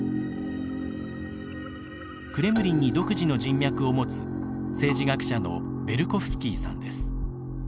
クレムリンに独自の人脈を持つ政治学者のベルコフスキーさんです。